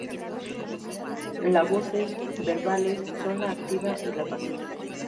La voces verbales son la activa y la pasiva.